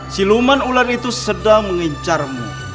si luman ular itu sedang mengincarmu